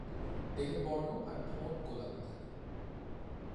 দেহের বর্ণ আর ঠোঁট গোলাপী থাকে।